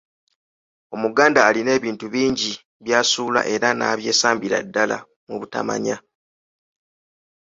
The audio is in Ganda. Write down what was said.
Omuganda alina ebintu bingi byasuula era n’abyesambira ddala mu butamanya.